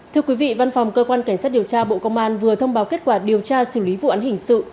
thưa quý vị văn phòng cơ quan cảnh sát điều tra bộ công an vừa thông báo kết quả điều tra xử lý vụ án hình sự